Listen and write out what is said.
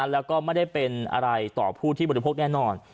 แล้วก็ไม่ได้เป็นอะไรต่อผู้ที่บริโภคแน่นอน